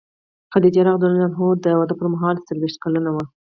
خدیجه رض د واده پر مهال څلوېښت کلنه وه.